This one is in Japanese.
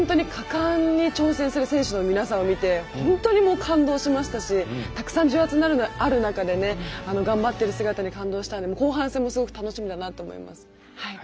果敢に挑戦する選手の皆さんを見て本当に感動しましたしたくさん重圧がある中で頑張ってる姿に感動したので後半戦もすごく楽しみだなと思います。